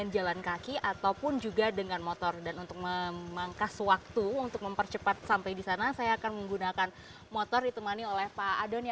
jika tidak dan kalau misalnya l atau yang lain di sana saya akan menggunakan motor ditemani oleh pak adon